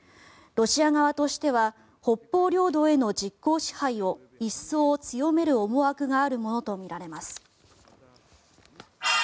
ロシア側としては北方領土への実効支配を一層強める思惑があるものとみられます。